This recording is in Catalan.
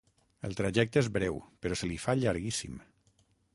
El trajecte és breu, però se li fa llarguíssim.